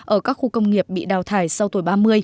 ở các khu công nghiệp bị đào thải sau tuổi ba mươi